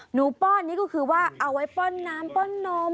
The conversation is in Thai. ป้อนนี่ก็คือว่าเอาไว้ป้อนน้ำป้อนนม